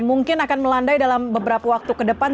mungkin akan melandai dalam beberapa waktu ke depan